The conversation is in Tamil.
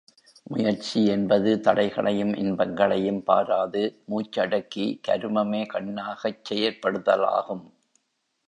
முயற்சி என்பது தடைகளையும் இன்பங்களையும் பாராது, மூச்சடக்கி கருமமே கண்ணாகச் செயற்படுதலாகும்.